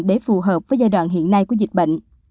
để phù hợp với giai đoạn hiện nay của dịch bệnh